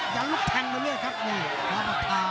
ดันลูกแทงไปเรื่อยครับนี่ฟ้าประธาน